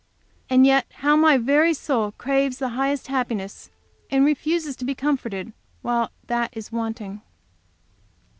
And yet how my very soul craves the highest happiness, and refuses to be comforted while that is wanting.